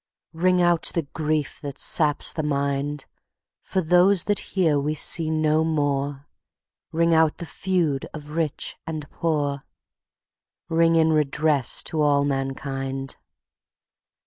Ring out the grief that saps the mind, For those that here we see no more, Ring out the feud of rich and poor, Ring in redress to all mankind.